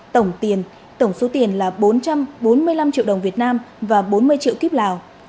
tổng tiền tổng số tiền là bốn trăm bốn mươi năm triệu đồng việt nam và bốn mươi triệu kíp lào